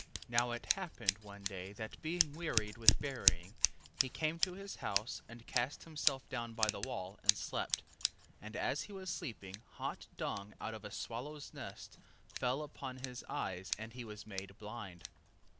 2:10. Now it happened one day that being wearied with burying, he came to his house, and cast himself down by the wall and slept, 2:11. And as he was sleeping, hot dung out of a swallow's nest fell upon his eyes, and he was made blind.